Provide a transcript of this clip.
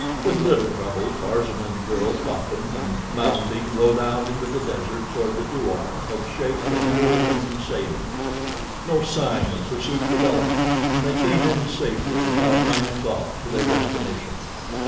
With little trouble Tarzan and the girl caught them, and, mounting, rode out into the desert toward the douar of Sheik Kadour ben Saden. No sign of pursuit developed, and they came in safety about nine o'clock to their destination.